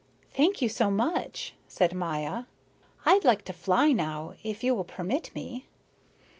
"Thank you so much," said Maya. "I'd like to fly now, if you will permit me."